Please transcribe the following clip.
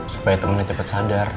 supaya temannya cepat sadar